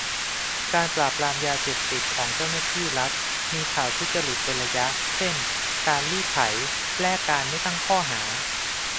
การปราบปรามยาเสพติดของเจ้าหน้าที่รัฐมีข่าวทุจริตเป็นระยะ เช่น การรีดไถแลกการไม่ตั้งข้อหา